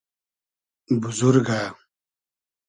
بوزورگۂ